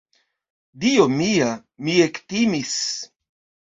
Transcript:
Dio mia!, mi ektimis!